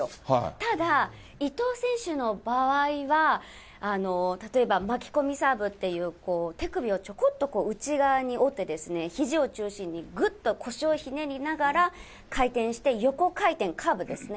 ただ、伊藤選手の場合は、例えば、巻き込みサーブっていう、こういう手首をちょこっと内側に折って、ひじを中心にぐっと腰をひねりながら回転して横回転、カーブですね。